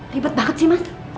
ribet banget sih mas